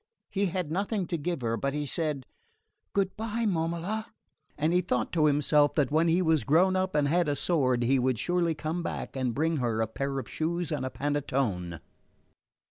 He had nothing to give her, but he said: "Good bye, Momola"; and he thought to himself that when he was grown up and had a sword he would surely come back and bring her a pair of shoes and a panettone.